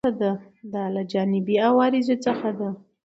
دا له جانبي عوارضو څخه ده.